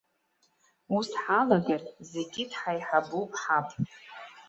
Ус ҳалагар, зегьы дҳаиҳабуп ҳаб.